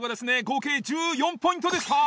合計１４ポイントでした。